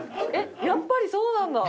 やっぱりそうなんだ！